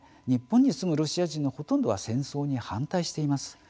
日本に住むロシア人のほとんどは戦争に反対しています。